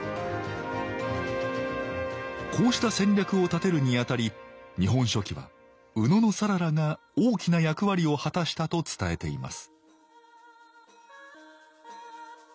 こうした戦略を立てるにあたり「日本書紀」は野讃良が大きな役割を果たしたと伝えています